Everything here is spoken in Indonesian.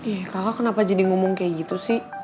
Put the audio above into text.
eh kakak kenapa jadi ngomong kayak gitu sih